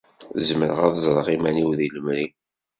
Zemreɣ ad ẓreɣ iman-iw deg lemri.